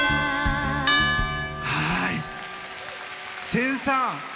千さん